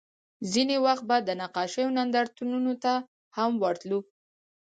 ځینې وخت به د نقاشیو نندارتونونو ته هم ورتلو